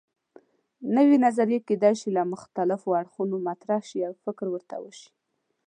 نوې نظریې کیدای شي له مختلفو اړخونو مطرح شي او فکر ورته وشي.